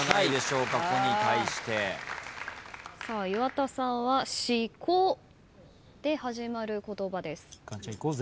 岩田さんは「しこ」で始まる言葉です。